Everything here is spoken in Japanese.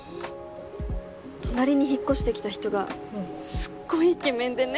隣に引っ越してきた人がすっごいイケメンでね。